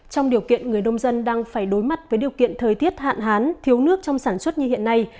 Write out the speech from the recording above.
trong điều kiện người nông dân đang phải đối mặt với điều kiện thời tiết hạn hán thiếu nước trong sản xuất như hiện nay